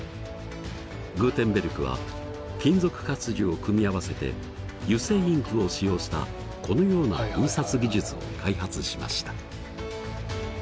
グーテンベルクは金属活字を組み合わせて油性インクを使用したこのような印刷技術を開発しました。